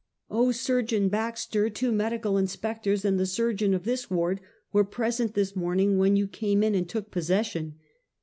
"Oh, Surgeon Baxter, two medical inspectors, and the surgeon of this ward were present this morning when you came in and took ]30ssession."